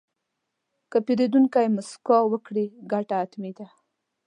که پیرودونکی موسکا وکړي، ګټه حتمي ده.